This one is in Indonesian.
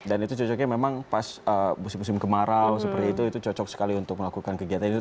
dan itu cocoknya memang pas musim musim kemarau seperti itu itu cocok sekali untuk melakukan kegiatan itu